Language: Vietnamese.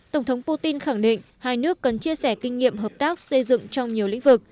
tổng thống putin khẳng định hai nước cần chia sẻ kinh nghiệm hợp tác xây dựng trong nhiều lĩnh vực